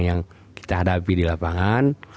yang kita hadapi di lapangan